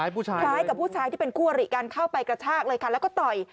คล้ายกับผู้ชายที่เป็นคู่อริกันเข้าไปกระชากเลยค่ะแล้วก็ต่อย